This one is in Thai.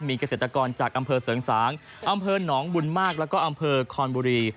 มีเกษตรกรจากอำเภอเสริงสางอำเภอหนองบุญมากแล้วก็อำเภอคอนบุรี